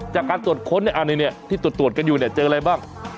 จากการตรวจค้นที่ตรวจกันอยู่เนี่ยเจออะไรบ้าง